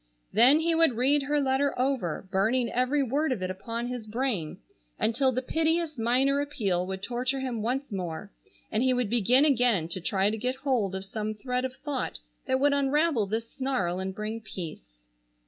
Then he would read her letter over, burning every word of it upon his brain, until the piteous minor appeal would torture him once more and he would begin again to try to get hold of some thread of thought that would unravel this snarl and bring peace.